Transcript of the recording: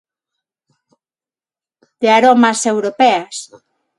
De aromas europeas.